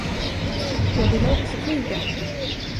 Jag ville också flyga.